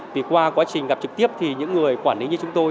thì qua quá trình gặp trực tiếp thì những người quản lý như chúng tôi